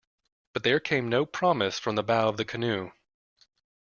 But there came no promise from the bow of the canoe.